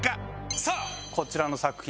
さあこちらの作品。